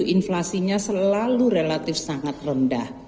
inflasinya selalu relatif sangat rendah